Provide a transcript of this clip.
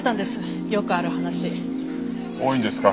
多いんですか？